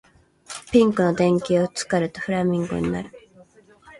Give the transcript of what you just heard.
ピンクの電球をつけるとフラミンゴになる